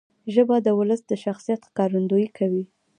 ژبه د ولس د شخصیت ښکارندویي کوي.